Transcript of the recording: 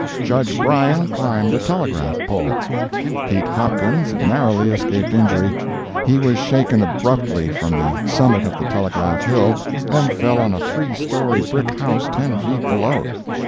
Judge Bryan climbed a telegraph pole. Pete Hopkins narrowly escaped injury. He was shaken abruptly from the summit of Telegraph Hill and fell on a three story brick house ten feet below.